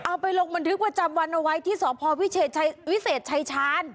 เอาไปโรงพักมันทึกว่าจำวันเอาไว้ที่สอบพอวิเศษชายชาน